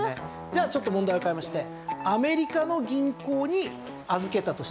じゃあちょっと問題を変えましてアメリカの銀行に預けたとしたならば？